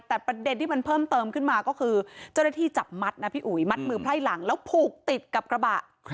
แต่ประเด็นที่มันเพิ่มเติมขึ้นมาก็คือเจ้าหน้าที่จับมัดนะพี่อุ๋ยมัดมือไพร่หลังแล้วผูกติดกับกระบะ